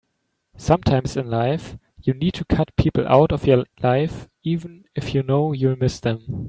Sometimes in life you need to cut people out of your life even if you know you'll miss them.